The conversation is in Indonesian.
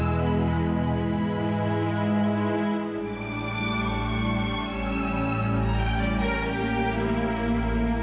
nanti kita berdua bisa berdua